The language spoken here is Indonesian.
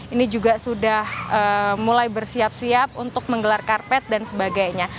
ini juga sudah mulai bersiap siap untuk menggelar karpet dan sebagainya